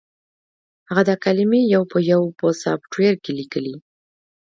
هغه دا کلمې یو په یو په سافټویر کې لیکلې